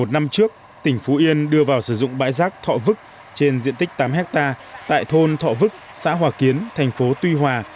một năm trước tỉnh phú yên đưa vào sử dụng bãi rác thọ vức trên diện tích tám hectare tại thôn thọ vức xã hòa kiến thành phố tuy hòa